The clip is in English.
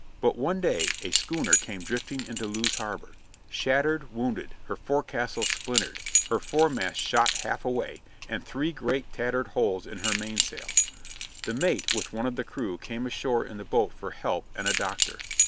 But one day a schooner came drifting into Lewes harbor shattered, wounded, her forecastle splintered, her foremast shot half away, and three great tattered holes in her mainsail. The mate with one of the crew came ashore in the boat for help and a doctor.